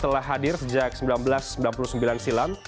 sejak seribu sembilan ratus sembilan puluh sembilan silam